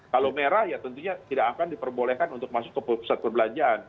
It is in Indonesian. kalau merah ya tentunya tidak akan diperbolehkan untuk masuk ke pusat perbelanjaan